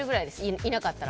いなかったら。